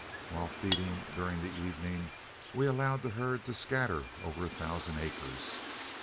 While feeding during the evening, we allowed the herd to scatter over a thousand acres.